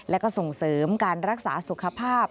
แล้วก็ส่งเสริมการรักษาสุขภาพ